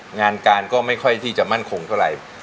งานการก็ไม่ค่อยที่จะมั่นคงเท่าไหร่